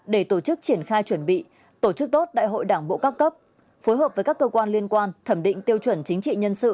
để tổ chức triển khai chuẩn bị tổ chức tốt đại hội đảng bộ các cấp phối hợp với các cơ quan liên quan thẩm định tiêu chuẩn chính trị nhân sự